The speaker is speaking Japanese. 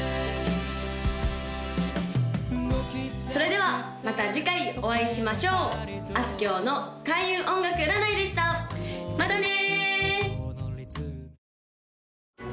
・それではまた次回お会いしましょうあすきょうの開運音楽占いでしたまたね！